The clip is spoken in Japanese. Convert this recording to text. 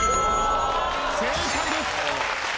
正解です。